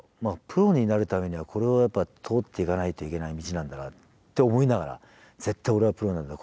プロになるためにはこれはやっぱ通っていかないといけない道なんだなって思いながら絶対俺はプロになるんだ